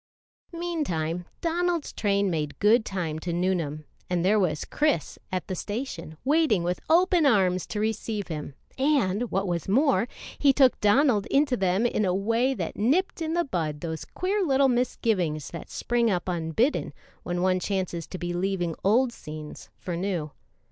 Meantime, Donald's train made good time to Nuneham; and there was Chris at the station waiting with open arms to receive him, and, what was more, he took Donald into them in a way that nipped in the bud those queer little misgivings that spring up unbidden when one chances to be leaving old scenes for new.